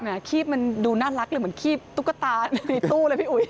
คีบมันดูน่ารักเลยเหมือนคีบตุ๊กตาในตู้เลยพี่อุ๋ย